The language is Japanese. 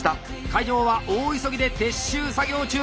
会場は大急ぎで撤収作業中！